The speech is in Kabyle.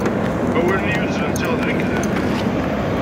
Awal-nni yuzzlen ziɣ d lekdeb.